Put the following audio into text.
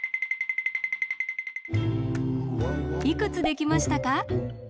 いくつできましたか？